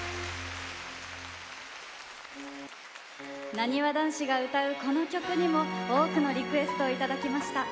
なにわ男子が歌うこの曲にも多くのリクエストをいただきました。